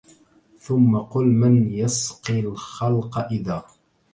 ثم قل من يسقي الخلق إذا